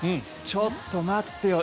ちょっと待ってよ。